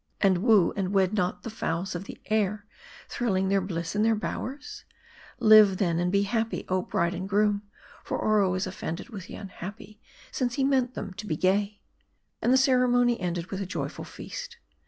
and woo and wed not the 'fowls of the air, trilling their bliss in their bowers ? Live then, and be happy, oh bride and groom ; for Oro is offended with the unhappy, since he meant them to be gay." And the ceremony ended with a joyful feast.